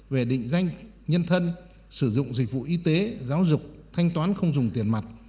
về định danh nhân thân sử dụng dịch vụ y tế giáo dục thanh toán không dùng tiền mặt